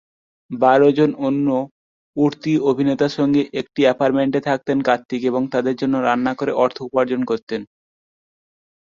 বারো জন অন্য উঠতি অভিনেতার সঙ্গে একটি অ্যাপার্টমেন্টে থাকতেন কার্তিক এবং তাঁদের জন্য রান্না করে অর্থ উপার্জন করতেন।